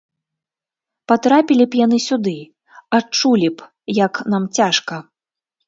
Патрапілі б яны сюды, адчулі б, як нам цяжка.